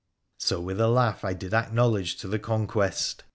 So, with a laugh, I did acknowledge to the conquest.